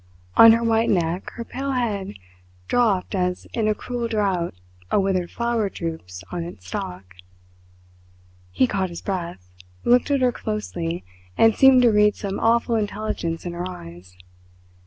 On her white neck her pale head dropped as in a cruel drought a withered flower droops on its stalk. He caught his breath, looked at her closely, and seemed to read some awful intelligence in her eyes.